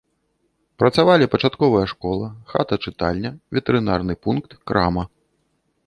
Працавалі пачатковая школа, хата-чытальня, ветэрынарны пункт, крама.